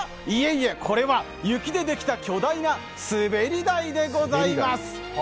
いえいえ、これは雪でできた巨大な滑り台でございます。